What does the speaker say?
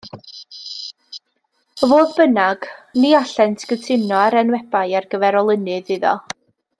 Fodd bynnag, ni allent gytuno ar enwebai ar gyfer olynydd iddo.